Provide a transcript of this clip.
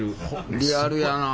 リアルやなあ。